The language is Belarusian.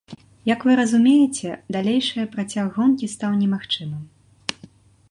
Як вы разумееце, далейшае працяг гонкі стаў немагчымым.